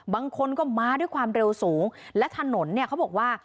บางคนก็มาด้วยความเร็วสูงและถนนเนี่ยเขาบอกว่า